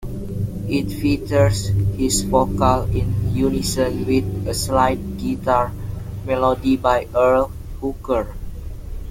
It features his vocal in unison with a slide-guitar melody by Earl Hooker.